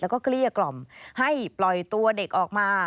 แล้วก็เกลี้ยกล่อมให้ปล่อยตัวเด็กออกมา